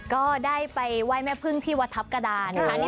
ก็ได้ไปไหว้แม่พึ่งที่วัดทัพกระดานนะคะ